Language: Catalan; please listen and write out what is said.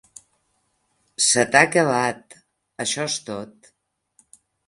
Se t'ha calat, això és tot.